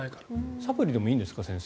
サプリでもいいんですか？